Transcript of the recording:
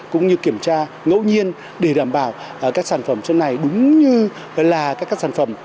cũng như kiểm tra ngẫu nhiên để đảm bảo các sản phẩm trên này đúng như là các sản phẩm